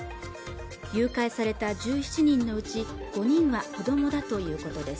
誘拐された１７人のうち５人は子どもだということです